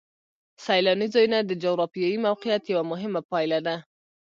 سیلاني ځایونه د جغرافیایي موقیعت یوه مهمه پایله ده.